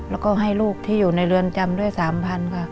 แล้วก็ให้ลูกที่อยู่ในเรือนจำด้วย๓๐๐๐ค่ะ